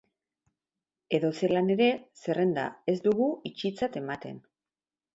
Edozelan ere, zerrenda ez dugu itxitzat ematen.